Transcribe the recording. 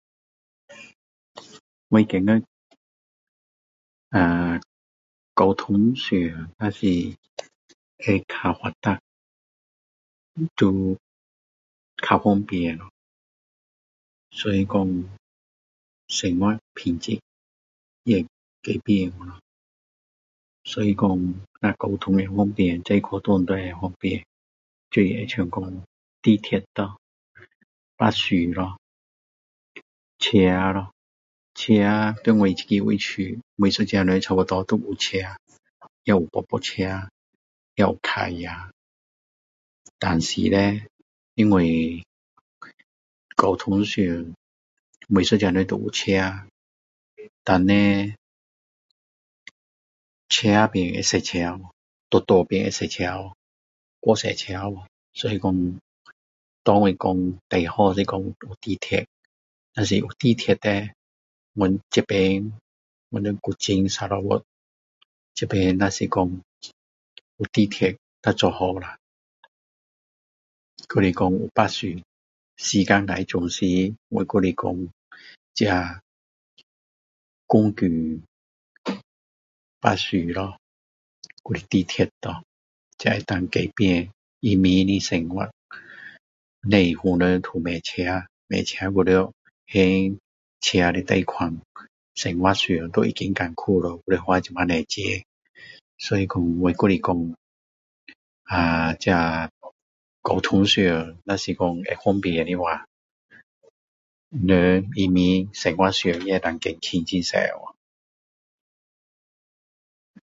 我觉得啊交通上那是会较发达就较方便咯所以说生活品质也会改变掉咯所以说那交通方便不管去哪里都会方便就是会像说地铁咯巴士咯车咯车在我这个位区就是每个差不多都有车也有波波车也有脚车但是叻因为交通上每一个人都有车丹内变变会塞车去路路变会塞车去过多车去所以说对我说最好来说有地铁若是有地铁叻我这边我们古晋砂劳越这边若是说有地铁做好啦还是说巴士时间较准时我还是说这过近巴士咯还是地铁咯这可以改变人民的生活不用全部人都买车买车还要还车的贷款生活上都已经辛苦了还要花那么多钱所以说我还是说啊这交通上若是若是说会方便的话人人民生活上也可以起很多掉